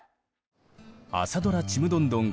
朝ドラ「ちむどんどん」